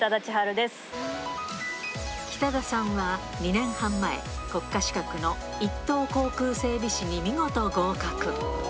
北田さんは２年半前、国家資格の一等航空整備士に見事合格。